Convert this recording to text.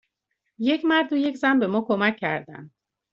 یک مرد و یک زن به ما کمک کردند.